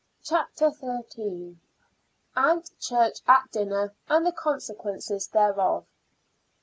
CHAPTER XIII. AUNT CHURCH AT DINNER AND THE CONSEQUENCES THEREOF.